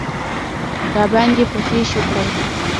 راباندې په پښو کړل.